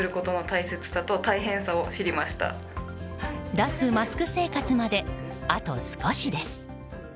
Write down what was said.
脱マスク生活まであと少しです。